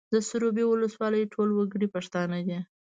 د سروبي ولسوالۍ ټول وګړي پښتانه دي